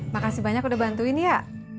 makasih banyak udah bantuin ya